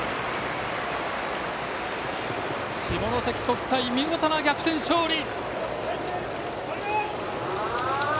下関国際、見事な逆転勝利！